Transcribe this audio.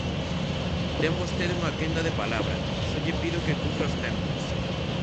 Ten vostede unha quenda de palabra, só lle pido que cumpra os tempos.